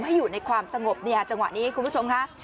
ให้อยู่ในความสงบเนี่ยจังหวะนี้คุณผู้ชมค่ะ